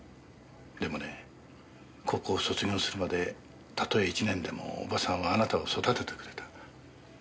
でもね高校を卒業するまでたとえ１年でも叔母さんはあなたを育ててくれた。